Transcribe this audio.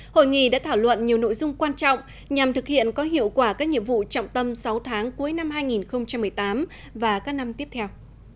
hội nghị đã thảo luận nhiều nội dung quan trọng nhằm thực hiện có hiệu quả các nhiệm vụ trọng tâm sáu tháng cuối năm hai nghìn một mươi tám và các năm tiếp theo